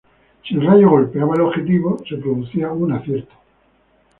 Si el rayo golpeaba el objetivo, se producía un acierto.